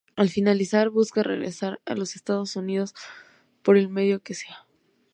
Al finalizar, busca regresar a los Estados Unidos por el medio que sea.